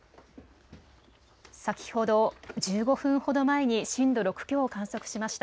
先ほど１５分ほど前に震度６強を観測しました。